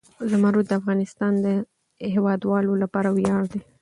زمرد د افغانستان د هیوادوالو لپاره ویاړ دی.